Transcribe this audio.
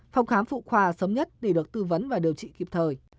phòng khám phụ khoa sớm nhất để được tư vấn và điều trị kịp thời